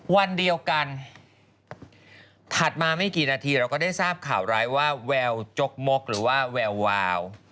วันเดียวกันถัดมาไม่กี่นาทีเราก็ได้ทราบข่าวร้ายว่าแววจกมกหรือว่าแวววาว